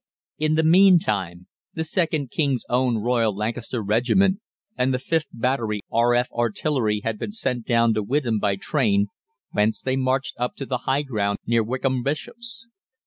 In the meantime, the 2nd King's Own Royal Lancaster Regiment and the 5th Battery R.F. Artillery had been sent down to Witham by train, whence they marched up to the high ground near Wickham Bishops.